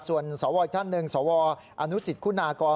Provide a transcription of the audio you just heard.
ส่วนสวอีกท่านหนึ่งสวอนุสิตคุณากร